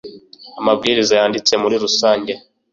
amabwiriza yanditse murirusange